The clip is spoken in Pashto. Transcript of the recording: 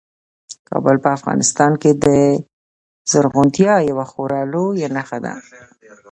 کابل په افغانستان کې د زرغونتیا یوه خورا لویه نښه ده.